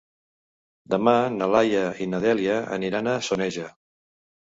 Demà na Laia i na Dèlia aniran a Soneja.